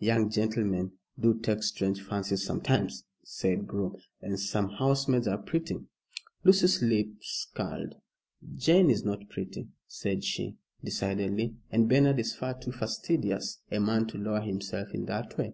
"Young gentlemen do take strange fancies sometimes," said Groom, "and some housemaids are pretty." Lucy's lip curled. "Jane is not pretty," said she, decidedly, "and Bernard is far too fastidious a man to lower himself in that way."